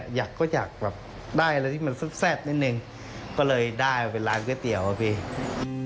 อยากก็อยากแบบได้อะไรที่มันแซ่บนิดนึงก็เลยได้เป็นร้านก๋วยเตี๋ยวอะพี่อืม